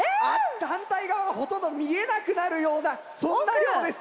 反対側がほとんど見えなくなるようなそんな量です。